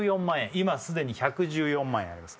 今すでに１１４万円あります